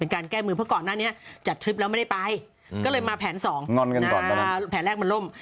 ในเหมือนเพราะก่อนหน้านี้จัดทริปแล้วไม่ได้ไปก็เลยมาแผนสองแผนแรกมันล่ม